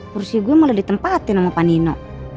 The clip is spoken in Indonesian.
pursi gue mulai ditempatin sama pak nino